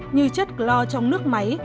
như chất clor trong nước máy